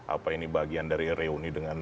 apa ini bagian dari reuni dengan